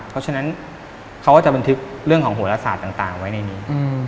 เพราะฉะนั้นเขาก็จะบันทึกเรื่องของโหลศาสตร์ต่างไว้ในนี้